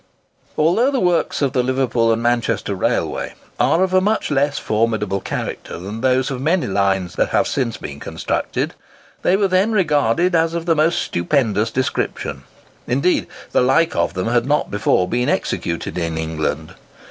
Although the works of the Liverpool and Manchester Railway are of a much less formidable character than those of many lines that have since been constructed, they were then regarded as of the most stupendous description. In deed, the like of them had not before been executed in England.